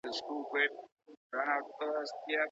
که د کورنۍ قدر وکړئ اړيکې به مو پياوړې سي.